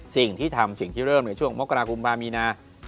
สิ่งที่ทำสิ่งที่เริ่มในช่วงมกรากุมภามีนา